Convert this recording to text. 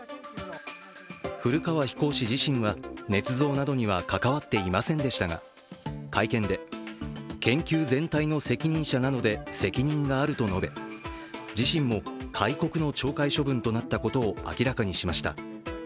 古川飛行士自身がねつ造などには関わっていませんでしたが会見で、研究全体の責任者なので責任があると述べ、自身も戒告の懲戒処分となったことを明らかにしました。